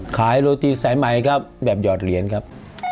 ขายโรตีสายใหม่ครับแบบหยอดเหรียญครับ